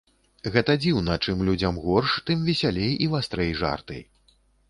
Гэта дзіўна, чым людзям горш, тым весялей і вастрэй жарты.